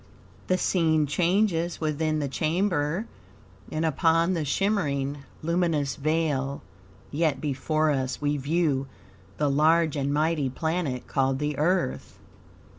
The scene changes within the chamber, and upon the shimmering, luminous veil, yet before us, we view the large and mighty planet called the Earth.